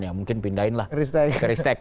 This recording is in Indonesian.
ya mungkin pindahin lah ke ristek